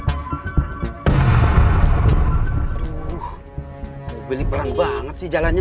aduh mobil ini perang banget sih jalannya